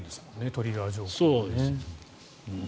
トリガー条項ね。